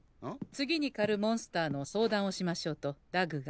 次にかるモンスターの相談をしましょうとダグが。